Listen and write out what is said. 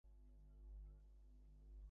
আপনি অ্যাবনর্ম্যাল সাইকোলজির একজন অধ্যাপক।